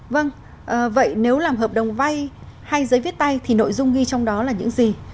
vâng vậy nếu làm hợp đồng vay hay giấy viết tay thì nội dung ghi trong đó là những gì